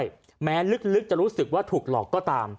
ใช่แม้ลึกจะรู้สึกว่าถูกหลอกก็ตาม